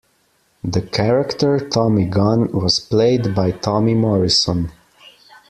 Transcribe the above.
The character "Tommy Gunn" was played by Tommy Morrison.